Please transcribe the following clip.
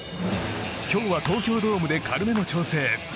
今日は東京ドームで軽めの調整。